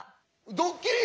ドッキリ？